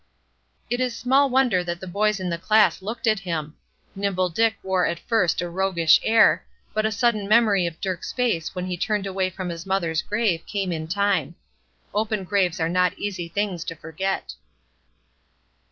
It is small wonder that the boys in the class looked at him. Nimble Dick wore at first a roguish air, but a sudden memory of Dirk's face when he turned away from his mother's grave came in time. Open graves are not easy things to forget.